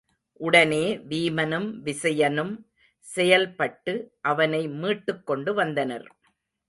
உடனே வீமனும் விசயனும் செயல்பட்டு அவனை மீட்டுக் கொண்டு வந்தனர்.